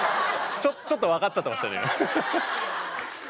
ちょっと分かっちゃってましたね。